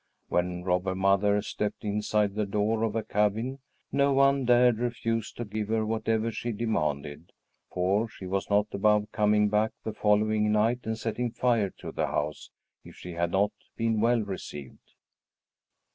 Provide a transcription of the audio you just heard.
When Robber Mother stepped inside the door of a cabin, no one dared refuse to give her whatever she demanded; for she was not above coming back the following night and setting fire to the house if she had not been well received.